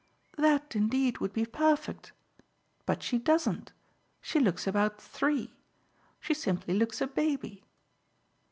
"That indeed would be perfect. But she doesn't she looks about three. She simply looks a baby."